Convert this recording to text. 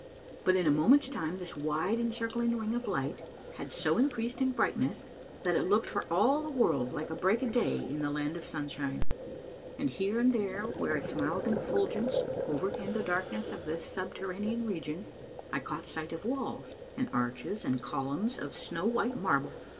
But in a moment's time this wide encircling ring of light had so increased in brightness that it looked for all the world like a break o' day in the land o' sunshine, and here and there where its mild effulgence overcame the darkness of this subterranean region, I caught sight of walls and arches and columns of snow white marble.